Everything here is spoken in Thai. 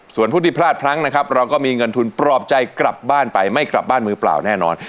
ส่วนผู้ที่พลาดพลั้งนะครับเราก็มีเงินทุนปลอบใจกลับบ้านไปไม่กลับบ้านมือเปล่าแน่นอน